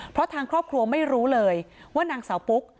เพราะทางครอบครัวไม่รู้เลยว่านางสาวปุ๊ก